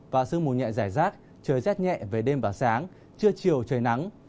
và sương mù nhẹ rải rác trời rét nhẹ về đêm và sáng trưa chiều trời nắng